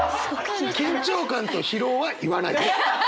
「緊張感」と「疲労」は言わないで。